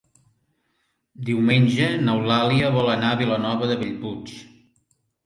Diumenge n'Eulàlia vol anar a Vilanova de Bellpuig.